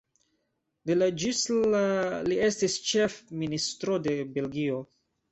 De la ĝis la li estis ĉefministro de Belgio.